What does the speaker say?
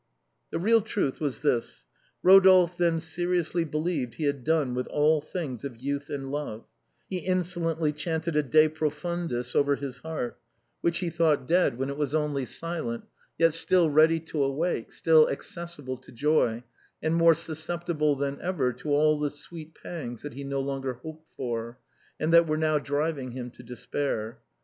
The real truth was this. Eodolphe then seriously believed that he had done with all things of youth and love; he insolently chanted a De profanais over his heart, which he thought dead when it was only silent, yet still ready to awake, still accessible to joy, and more susceptible than ever to all the sweet pangs that he no longer hoped for, and that were now driving him to despair.